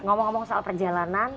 kalau mau ngomong soal perjalanan